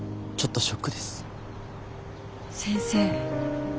先生。